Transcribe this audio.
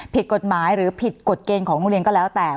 ผิดกฎหมายหรือผิดกฎเกณฑ์ของโรงเรียนก็แล้วแต่